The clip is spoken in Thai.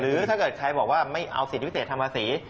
ถ้าเกิดใครบอกว่าไม่เอาสิทธิพิเศษทำภาษี